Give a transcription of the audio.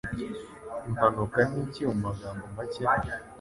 Impanuka nicyi mumagambo macye